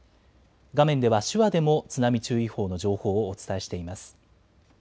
画面では手話でも津波注意報の情報をお伝えしています。